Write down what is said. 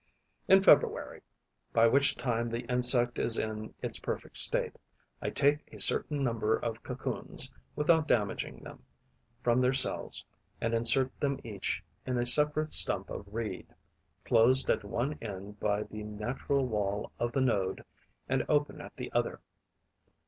In February, by which time the insect is in its perfect state, I take a certain number of cocoons, without damaging them, from their cells and insert them each in a separate stump of reed, closed at one end by the natural wall of the node and open at the other.